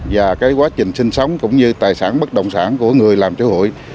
và cái quá trình sinh sống cũng như tài sản bất động sản của người làm chơi hụi